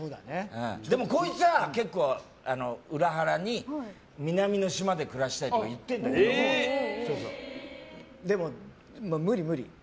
でも、こいつは結構裏腹に、南の島で暮らしたいとかでも無理無理。